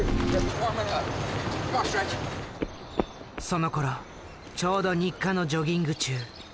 そのころちょうど日課のジョギング中。